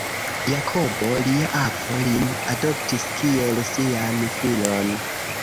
Jakobo, lia avo, lin adoptis kiel sian filon.